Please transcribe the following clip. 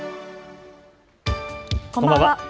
こんばんは。